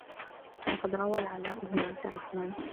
وَقَدْ رَوَى الْعَلَاءُ بْنُ عَبْدِ الرَّحْمَنِ